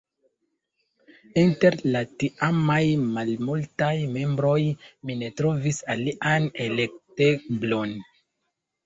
Inter la tiamaj malmultaj membroj mi ne trovis alian elekteblon.